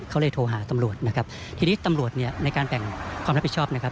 เขาเลยโทรหาตำรวจนะครับทีนี้ตำรวจเนี่ยในการแบ่งความรับผิดชอบนะครับ